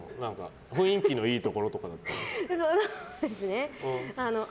雰囲気のいいところとか。